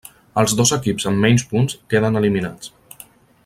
Els dos equips amb menys punts queden eliminats.